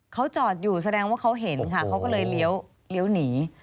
เขาจอดอยู่แสดงว่าเขาเห็นค่ะเขาก็เลยเลี้ยวหนี